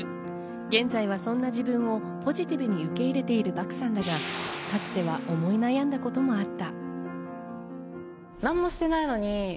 現在はそんな自分をポジティブに受け入れている漠さんだが、かつては思い悩んだこともあった。